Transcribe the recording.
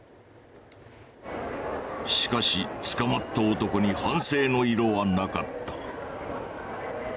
しかし捕まった男に反省の色はなかった。